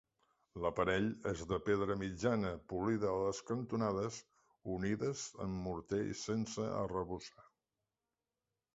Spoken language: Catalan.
L'aparell és de pedra mitjana, polida a les cantonades, unides amb morter i sense arrebossar.